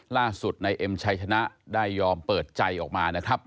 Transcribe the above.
ล่าสุดนายเอ็มชัยชนะได้ยอมเปิดใจออกมานะครับ